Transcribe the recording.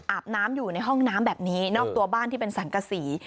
อาบน้ำอยู่ในห้องน้ำแบบนี้นอกตัวบ้านที่เป็นสังกษี